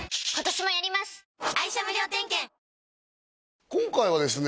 続く今回はですね